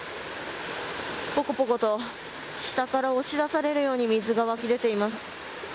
ぽこぽこと下からおし出されるように水が湧き出ています。